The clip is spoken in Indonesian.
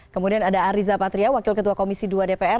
kemudian ada ariza patria wakil ketua komisi dua dpr